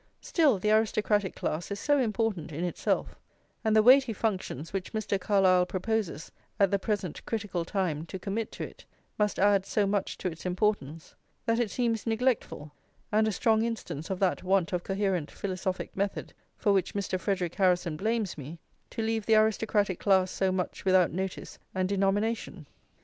Still the aristocratic class is so important in itself, and the weighty functions which Mr. Carlyle proposes at the present critical time to commit to it must add so much to its importance, that it seems neglectful, and a strong instance of that want of coherent philosophic method for which Mr. Frederic Harrison blames me, to leave the aristocratic class so much without notice and denomination.